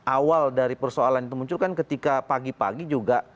awal dari persoalan itu muncul kan ketika pagi pagi juga